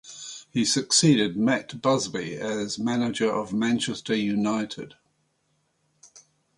He succeeded Matt Busby as manager of Manchester United.